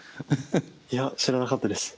いや知らなかったです。